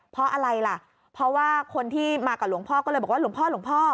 เพราะอะไรล่ะเพราะว่าคนที่มากับหลวงพ่อก็เลยบอกว่าหลวงพ่อหลวงพ่อ